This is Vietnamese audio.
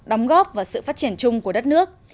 đóng góp vào sự phát triển chung của đất nước